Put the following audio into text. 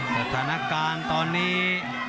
สถานการณ์ตอนนี้